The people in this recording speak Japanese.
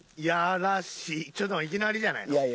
やらしいちょっといきなりじゃないの？